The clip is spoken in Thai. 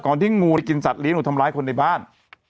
ก่อนที่งูนั้นที่กินสัตว์หลีนก็ทำร้ายคนในบ้าน